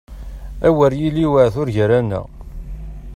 A wer yili waɛtur gar-aneɣ!